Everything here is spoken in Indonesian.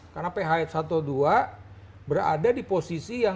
karena ph satu dan dua berada di posisi yang